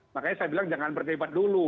makanya saya bilang jangan berdebat dulu